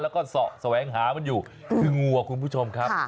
แล้วก็แสวงหามันอยู่คืองัวคุณผู้ชมครับ